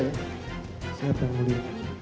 saya pengen muli